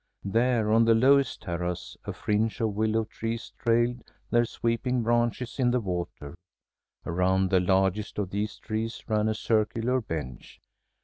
There on the lowest terrace, a fringe of willow trees trailed their sweeping branches in the water. Around the largest of these trees ran a circular bench.